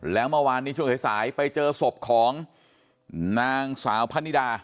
แล้วเมื่อวานนี้ช่วงสายไปเจอศพของนางสาวพะนิดา